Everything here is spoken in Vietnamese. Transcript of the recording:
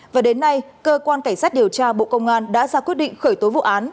và đến nay cơ quan cảnh sát điều tra bộ công an đã ra quyết định khởi tố vụ án